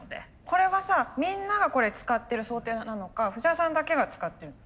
これはさみんながこれ使ってる想定なのか藤原さんだけが使ってるの？